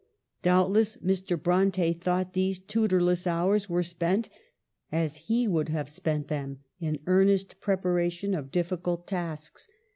Doubtless Mr. Bronte thought these tutorless hours were spent, as he would have spent them, in earnest preparation of difficult tasks.